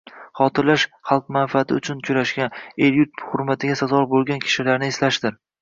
Xotirlash – xalq manfaati uchun kurashgan, el-yurt hurmatiga sazovor bo'lgan kishilarni eslashdir